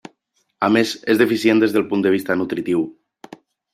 A més és deficient des del punt de vista nutritiu.